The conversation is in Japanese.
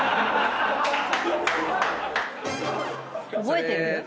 覚えてる？